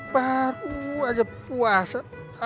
baru aja puasa